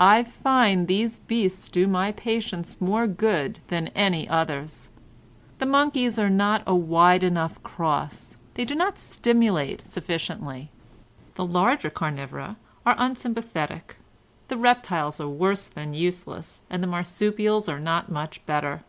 I find these beasts do my patients more good than any others. The monkeys are not a wide enough cross; they do not stimulate sufficiently. The larger carnivora are unsympathetic. The reptiles are worse than useless, and the marsupials are not much better.